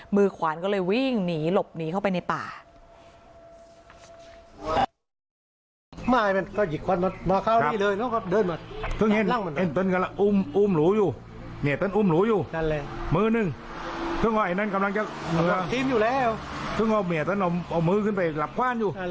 ขวานก็เลยวิ่งหนีหลบหนีเข้าไปในป่า